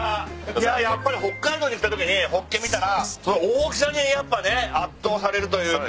いややっぱり北海道に来たときにホッケ見たらその大きさにやっぱね圧倒されるというか。